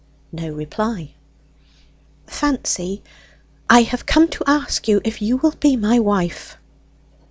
No reply. "Fancy, I have come to ask you if you will be my wife?"